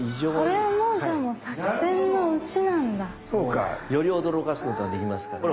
なるほどそうか！より驚かすことができますから。